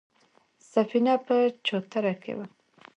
سفينه په چوتره کې وه.